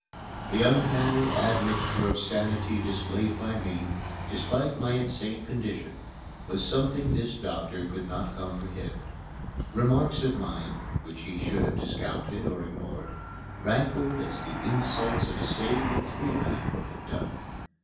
The uncanny admixture of sanity displayed by me, despite my insane condition, was something this doctor could not comprehend. Remarks of mine, which he should have discounted or ignored, rankled as the insults of a sane and free man would have done.